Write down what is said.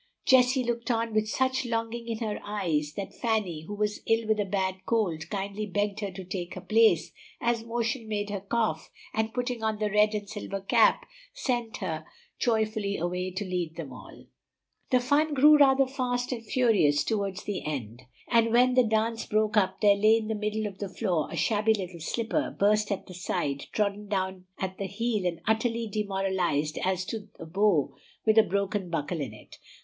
Jessie looked on with such longing in her eyes that Fanny, who was ill with a bad cold, kindly begged her to take her place, as motion made her cough, and putting on the red and silver cap sent her joyfully away to lead them all. The fun grew rather fast and furious toward the end, and when the dance broke up there lay in the middle of the floor a shabby little slipper, burst at the side, trodden down at the heel, and utterly demoralized as to the bow with a broken buckle in it.